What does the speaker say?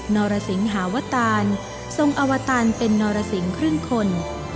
นรสิงหาวตารทรงอวตารเป็นนรสิงครึ่งคน